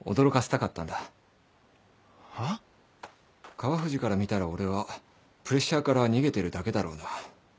川藤から見たら俺はプレッシャーから逃げてるだけだろうな。